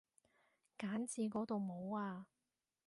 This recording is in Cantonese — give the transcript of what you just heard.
揀字嗰度冇啊